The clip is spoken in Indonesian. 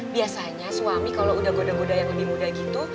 biasanya suami kalau udah goda goda yang lebih muda gitu